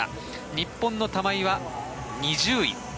日本の玉井は２０位。